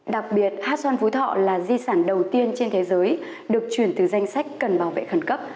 đặc biệt hát xoan phú thọ là di sản đầu tiên trên thế giới được chuyển từ danh sách cần bảo vệ khẩn cấp